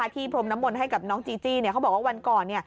พรมน้ำมนต์ให้กับน้องจีจี้เขาบอกว่าวันก่อน